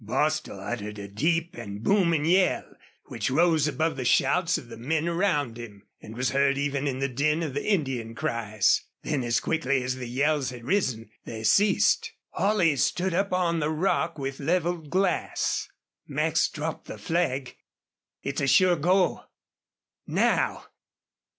Bostil uttered a deep and booming yell, which rose above the shouts of the men round him and was heard even in the din of Indian cries. Then as quickly as the yells had risen they ceased. Holley stood up on the rock with leveled glass. "Mac's dropped the flag. It's a sure go. Now!